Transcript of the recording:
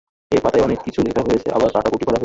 এই পাতায় অনেক কিছুই লেখা হয়েছে, আবার কাটাকুটি করা হয়েছে।